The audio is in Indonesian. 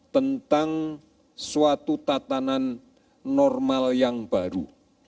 tentang suatu tatanan normal yang baru